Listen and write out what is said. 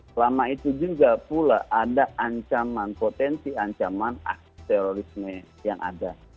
selama itu juga pula ada ancaman potensi ancaman terorisme yang ada